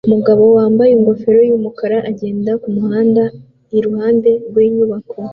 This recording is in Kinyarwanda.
Umugabo wambaye ingofero yumukara agenda kumuhanda iruhande rwinyubako